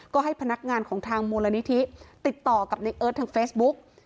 ก็ให้พนักงานของทางมูลนิธิติดต่อกับในเอิร์ททางเฟซบุ๊ก